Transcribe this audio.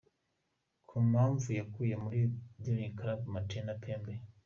Ku mpamvu yavuye muri Daring Club Motema Pembe.